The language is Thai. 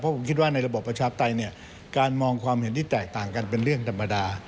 ผมคิดว่าในระบบประชาปไตยเนี่ยการมองความเห็นที่แตกต่างกันเป็นเรื่องธรรมดา